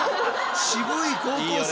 渋い高校生。